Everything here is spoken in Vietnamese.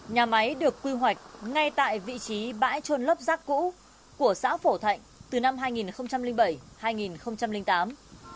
nhà máy được quy hoạch ngay tại vị trí bãi trôn lấp rác cũ của xã phổ thạnh từ năm hai nghìn bảy hai nghìn tám